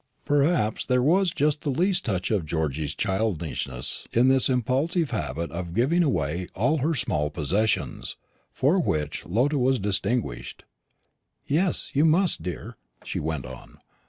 Perhaps there was just the least touch of Georgy's childishness in this impulsive habit of giving away all her small possessions, for which Lotta was distinguished. "Yes, you must, dear," she went on.